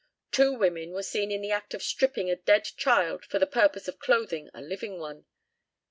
Two women were seen in the act of stripping a dead child for the purpose of clothing a living one."